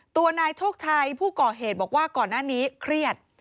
ตัวนายโชคชัยผู้ก่อเหตุบอกว่าก่อนหน้านี้เครียด